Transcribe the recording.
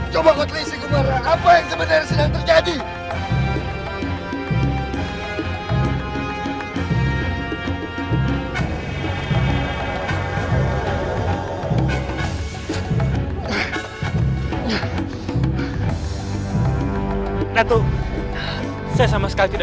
coba kau telah isi gumarah